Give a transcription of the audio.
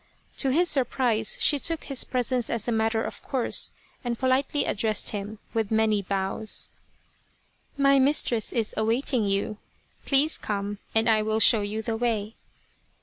To his surprise she took his presence as a matter of course, and politely ad dressed him, with many bows :" My mistress is awaiting you. Please come and I will show you the way."